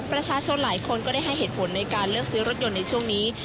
ประชาชนหลายคนก็ได้ให้เหตุผลในการเลือกซื้อรถยนต์ในช่วงนี้